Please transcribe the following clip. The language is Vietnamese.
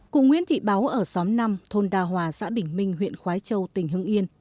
cụ nguyễn thị báo ở xóm năm thôn đà hòa xã bình minh huyện khói châu tỉnh hưng yên